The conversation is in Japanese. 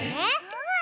うん！